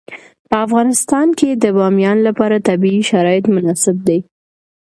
په افغانستان کې د بامیان لپاره طبیعي شرایط مناسب دي.